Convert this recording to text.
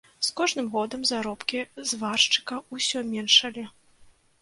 З кожным годам заробкі зваршчыка ўсё меншалі.